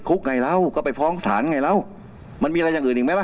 ก็เต็ดคุกไงแล้วก็ไปฟ้องศาลไงแล้วมันมีอะไรอย่างอื่นยังไหมล่ะ